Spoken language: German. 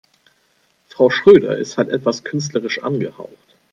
Frau Schröder ist halt etwas künstlerisch angehaucht.